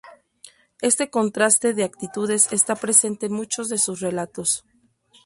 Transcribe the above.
Este contraste de actitudes está presente en muchos de sus relatos.